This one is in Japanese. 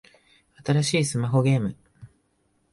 新しいスマホゲーム